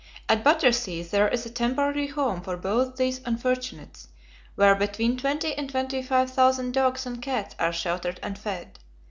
At Battersea there is a Temporary Home for both these unfortunates, where between twenty and twenty five thousand dogs and cats are sheltered and fed.